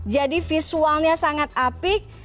jadi visualnya sangat apik